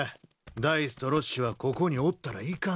ダイスとロッシはここにおったらいかん。